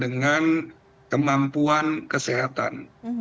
dengan kemampuan kesehatan